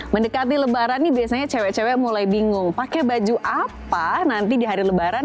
mendekati lebaran ini biasanya cewek cewek mulai bingung pakai baju apa nanti di hari lebaran